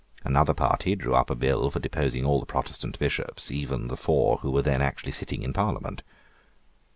Another party drew up a bill for deposing all the Protestant Bishops, even the four who were then actually sitting in Parliament.